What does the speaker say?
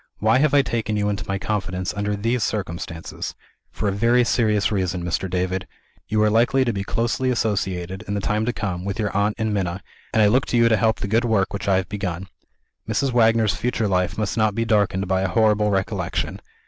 Why have I taken you into my confidence, under these circumstances? For a very serious reason, Mr. David. You are likely to be closely associated, in the time to come, with your aunt and Minna and I look to you to help the good work which I have begun. Mrs. Wagner's future life must not be darkened by a horrible recollection.